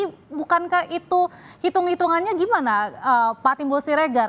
jadi bukankah itu hitung hitungannya gimana pak timbul siregar